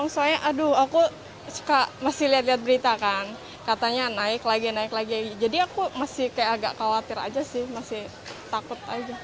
soalnya aduh aku suka masih lihat lihat berita kan katanya naik lagi naik lagi jadi aku masih kayak agak khawatir aja sih masih takut aja